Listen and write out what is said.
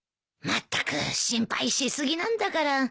まったく心配しすぎなんだから。